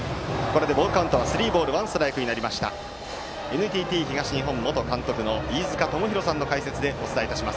ＮＴＴ東日本元監督の飯塚智広さんの解説でお伝えします。